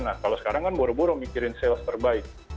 nah kalau sekarang kan buru buru mikirin sales terbaik